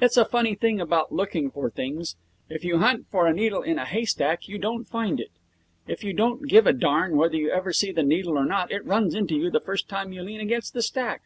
It's a funny thing about looking for things. If you hunt for a needle in a haystack you don't find it. If you don't give a darn whether you ever see the needle or not it runs into you the first time you lean against the stack.